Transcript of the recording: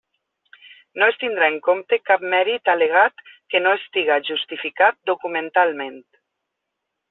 No es tindrà en compte cap mèrit al·legat i que no estiga justificat documentalment.